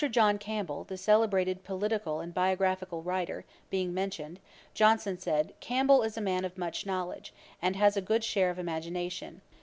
John Campbell, the celebrated political and biographical writer, being mentioned, Johnson said, 'Campbell is a man of much knowledge, and has a good share of imagination.